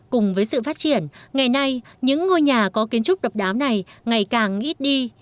cùng với sự phát triển ngày nay những ngôi nhà có kiến trúc độc đáo này ngày càng ít đi